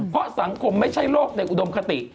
เพราะสังคมไม่ใช่โรคในอุดมคติ